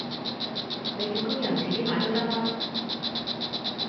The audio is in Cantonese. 你叫工人遲啲買都得啦